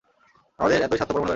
আমাদের এতই স্বার্থপর মনে করেন?